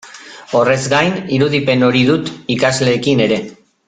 Horrez gain, irudipen hori dut ikasleekin ere.